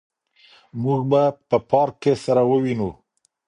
موږ به په پارک کي سره ووينو.